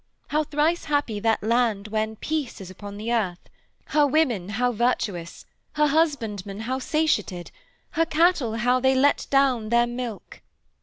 How thrice happy that land when peace is upon the earth! Her women how virtuous, her husbandmen how satiated, her cattle how they let down their milk!'